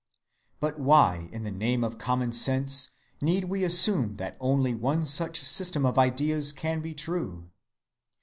But why in the name of common sense need we assume that only one such system of ideas can be true?